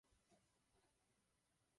Gazprom není soukromá společnost.